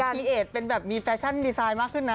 ดีเอสเป็นแบบมีแฟชั่นดีไซน์มากขึ้นนะ